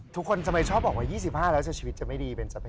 ทุกคนจะไม่ชอบบอกว่า๒๕แล้วชีวิตจะไม่ดีเป็นสะเพศ